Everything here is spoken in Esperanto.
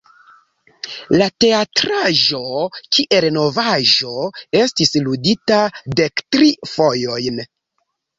La teatraĵo, kiel novaĵo, estis ludita dektri fojojn.